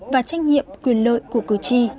và trách nhiệm quyền lợi của cử tri